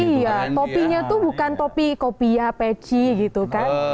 iya topinya tuh bukan topi kopiah peci gitu kan